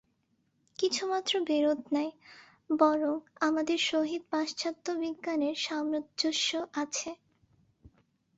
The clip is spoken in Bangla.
কিছুমাত্র বিরোধ নাই, বরং আমাদের সহিত পাশ্চাত্য বিজ্ঞানের সামঞ্জস্য আছে।